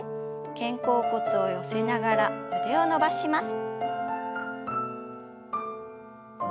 肩甲骨を寄せながら腕を伸ばします。